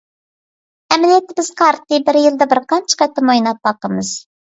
ئەمەلىيەتتە، بىز قارتىنى بىر يىلدا بىرقانچە قېتىم ئويناپ باقىمىز.